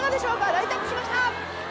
ライトアップしました！